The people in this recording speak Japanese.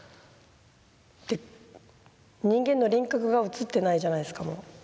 で人間の輪郭が写ってないじゃないですかもう。